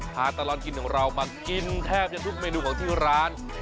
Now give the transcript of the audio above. ตลอดกินของเรามากินแทบจะทุกเมนูของที่ร้าน